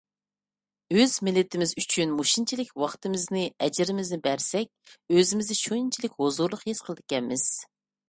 ئۆز مىللىتىمىز ئۈچۈن مۇشۇنچىلىك ۋاقتىمىزنى، ئەجرىمىزنى بەرسەك، ئۆزىمىزنى شۇنچىلىك ھۇزۇرلۇق ھېس قىلىدىكەنمىز.